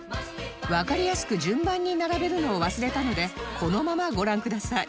わかりやすく順番に並べるのを忘れたのでこのままご覧ください